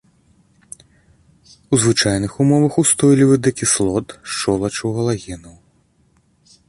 У звычайных умовах устойлівы да кіслот, шчолачаў, галагенаў.